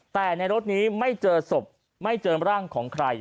แต่ในรถนี้ไม่เจอศพไม่เจอร่างของใคร